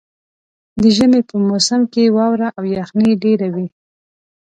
د ژمي په موسم کې واوره او یخني ډېره وي.